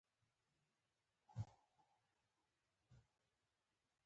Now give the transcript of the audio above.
د کور په فرش کې وارخطا ځایونه وو.